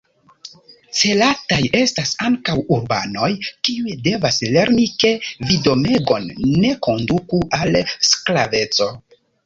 Celataj estas ankaŭ urbanoj, kiuj devas lerni, ke vidomegon ne konduku al sklaveco.